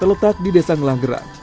terletak di desa ngelanggerak